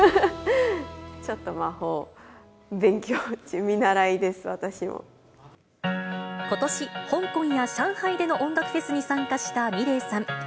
ちょっと魔法を勉強中、ことし、香港や上海での音楽フェスに参加したｍｉｌｅｔさん。